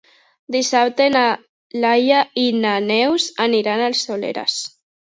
Dissabte na Laia i na Neus aniran al Soleràs.